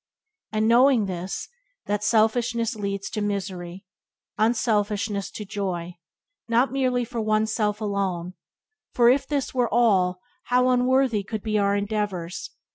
And knowing this — that selfishness leads to misery, unselfishness to joy, not merely for one's self alone, for if this were all, how unworthy could be our endeavours!